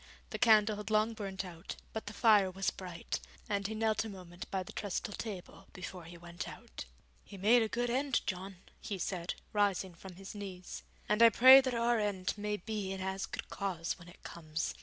The candle had long burnt out, but the fire was bright, and he knelt a moment by the trestle table before he went out. 'He made a good end, John,' he said, rising from his knees, 'and I pray that our end may be in as good cause when it comes.